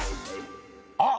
あっ